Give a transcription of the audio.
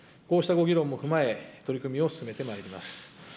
こうしたご議論も踏まえ取り組みを進めてまいります。